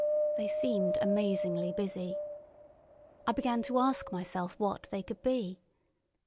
They seemed amazingly busy. I began to ask myself what they could be.